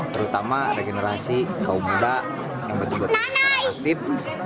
terutama ada generasi kaum muda yang betul betul secara efektif